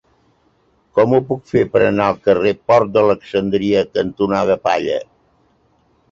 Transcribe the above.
Com ho puc fer per anar al carrer Port d'Alexandria cantonada Palla?